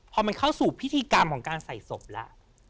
พอมันเข้าสู่พิธีกรรมของการใส่ศพแล้ว